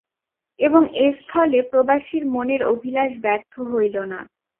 এবং এস্থলে প্রবাসীর মনের অভিলাষ ব্যর্থ হইল না।